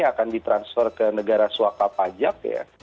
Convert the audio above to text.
akan di transfer ke negara swaka pajak ya